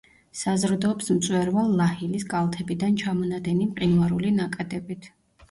საზრდოობს მწვერვალ ლაჰილის კალთებიდან ჩამონადენი მყინვარული ნაკადებით.